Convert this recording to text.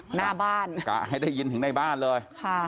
หน้าบ้านกะให้ได้ยินถึงในบ้านเลยค่ะ